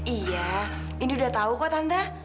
iya indi udah tahu kok tante